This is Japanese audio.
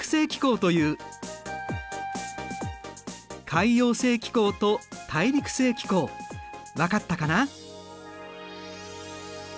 海洋性気候と大陸性気候分かったかな？